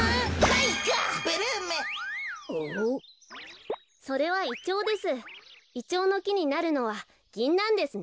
イチョウのきになるのはギンナンですね。